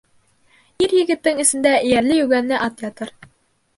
Ир-егеттең эсендә эйәрле-йүгәнле ат ятыр.